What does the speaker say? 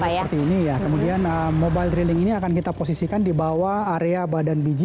seperti ini ya kemudian mobile drilling ini akan kita posisikan di bawah area badan biji